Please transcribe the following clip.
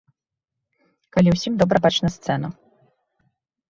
Калі ўсім добра бачна сцэну.